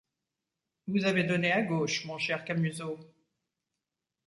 Vous avez donné à gauche, mon cher Camusot!